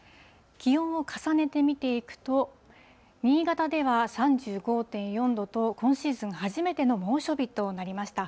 気温を重ねて見ていくと、新潟では３５．４度と、今シーズン初めての猛暑日となりました。